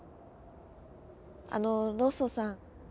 あのロッソさん。